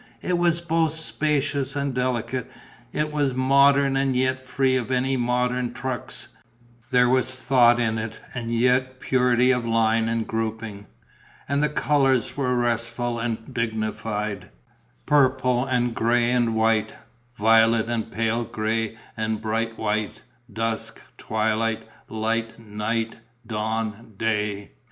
It was both spacious and delicate; it was modern and yet free of any modern trucs; there was thought in it and yet purity of line and grouping. And the colours were restful and dignified: purple and grey and white; violet and pale grey and bright white; dusk, twilight, light; night, dawn, day.